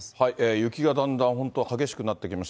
雪がだんだん本当、激しくなってきました。